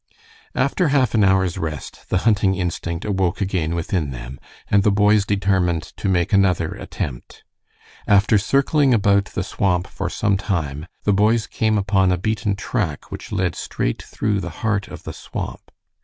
After half an hour's rest, the hunting instinct awoke again within them, and the boys determined to make another attempt. After circling about the swamp for some time, the boys came upon a beaten track which led straight through the heart of the swamp.